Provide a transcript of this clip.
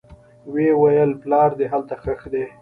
ويې ويل پلار دې هلته ښخ دى.